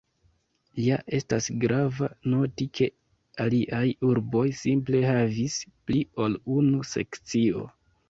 Ja estas grava noti ke aliaj urboj simple havis pli ol unu sekcio.